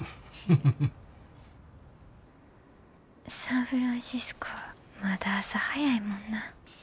サンフランシスコはまだ朝早いもんな。